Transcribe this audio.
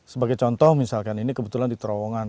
sebagai contoh misalkan ini kebetulan di terowongan